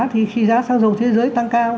thì khi giá xăng dầu thế giới tăng cao